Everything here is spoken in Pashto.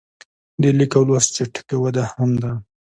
د لیک او لوست چټکه وده هم ده.